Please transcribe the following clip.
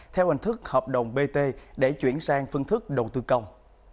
theo hình thức hợp đồng bt để chuyển sang phương thức đầu tư công